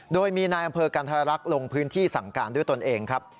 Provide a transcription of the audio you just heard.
โดยมีนายอำเภอกันธรรักษ์ลงพื้นที่สั่งการด้วยตนเองครับ